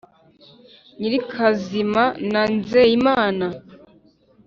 nyirikazima na nzeyimana